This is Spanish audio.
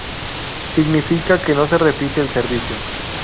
Significa que no se repite el servicio.